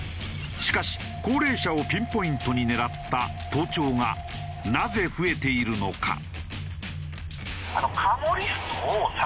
しかし高齢者をピンポイントに狙った盗聴がなぜ増えているのか？